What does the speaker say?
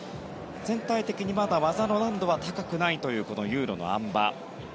全体的に、まだ技の難度は高くないというユーロのあん馬。